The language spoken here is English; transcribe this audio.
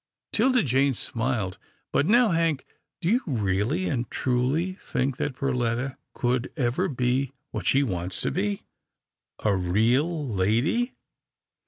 " 'Tilda Jane smiled, " But now. Hank, do you really and truly think that Perletta could ever be what she wants to be — a real lady?